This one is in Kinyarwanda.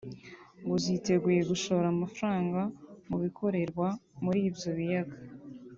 ngo ziteguye gushora amafaranga mu bikorerwa muri ibyo biyaga